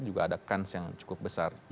juga ada kans yang cukup besar